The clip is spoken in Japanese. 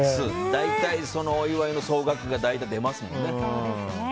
大体お祝いの総額が出ますもんね。